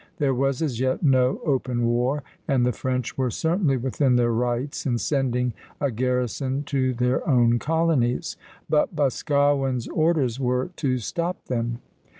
There was as yet no open war, and the French were certainly within their rights in sending a garrison to their own colonies; but Boscawen's orders were to stop them.